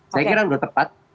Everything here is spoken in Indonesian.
saya kira sudah tepat